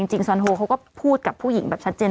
ซอนโฮเขาก็พูดกับผู้หญิงแบบชัดเจน